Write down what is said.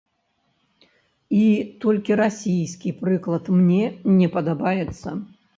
І толькі расійскі прыклад мне не падабаецца.